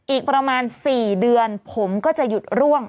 อีกประมาณ๔เดือนผมก็จะหยุดร่วง